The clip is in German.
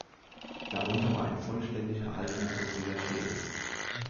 Darunter war ein vollständig erhaltener fossiler Schädel.